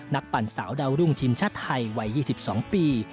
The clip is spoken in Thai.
ปั่นสาวดาวรุ่งทีมชาติไทยวัย๒๒ปี